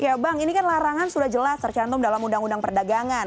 ya bang ini kan larangan sudah jelas tercantum dalam undang undang perdagangan